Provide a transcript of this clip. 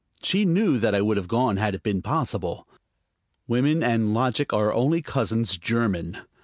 She knew that I would have gone had it been possible. Women and logic are only cousins german.